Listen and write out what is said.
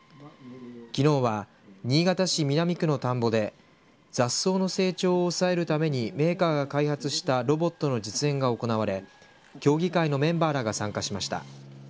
きのうは、新潟市南区の田んぼで雑草の成長を抑えるためにメーカーが開発したロボットの実演が行われ協議会のメンバーらが参加しました。